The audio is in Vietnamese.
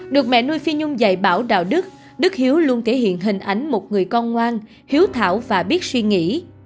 được mẹ nuôi phi nhung dạy bảo đạo đức đức hiếu luôn thể hiện hình ảnh một người con ngoan hiếu thảo và biết suy nghĩ